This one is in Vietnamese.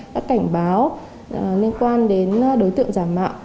đã cảnh báo liên quan đến đối tượng giả mạo